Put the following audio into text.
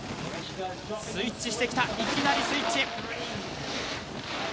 スイッチしてきた、いきなりスイッチ。